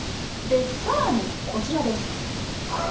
でさらにこちらです。